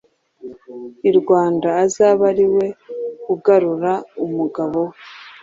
i Rwanda azabe ari we ugarura umugabo we.